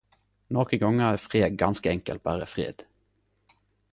Nokre gonger er fred ganske enkelt berre fred.